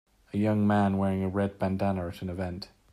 A young man wearing a red bandanna at an event.